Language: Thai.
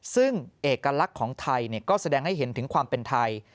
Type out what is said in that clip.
ซึ่งเอกลักษณ์ของไทยก็แสดงให้เห็นถึงความเป็นไทย